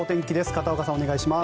片岡さん、お願いします。